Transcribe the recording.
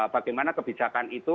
bagaimana kebijakan itu